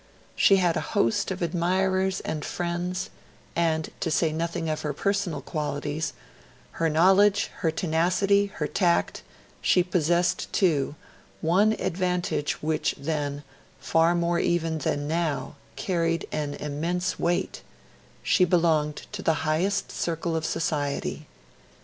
She had a host of admirers and friends; and to say nothing of her personal qualities her knowledge, her tenacity, her tact she possessed, too, one advantage which then, far more even than now, carried an immense weight she belonged to the highest circle of society.